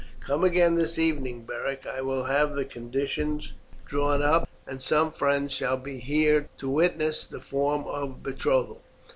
Come again this evening, Beric. I will have the conditions drawn up, and some friends shall be here to witness the form of betrothal.